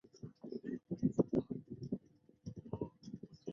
今日是伊斯兰历。